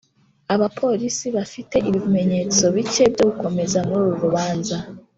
[abapolisi bafite ibimenyetso bike byo gukomeza muri uru rubanza.